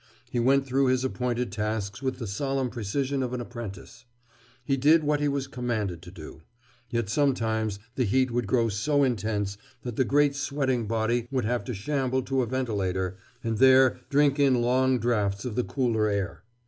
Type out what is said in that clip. He went through his appointed tasks with the solemn precision of an apprentice. He did what he was commanded to do. Yet sometimes the heat would grow so intense that the great sweating body would have to shamble to a ventilator and there drink in long drafts of the cooler air.